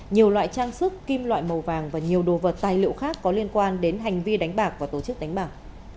nhiều loại trang sức kim loại màu vàng và nhiều đồ vật tài liệu khác có liên quan đến hành vi đánh bạc và tổ chức đánh bạc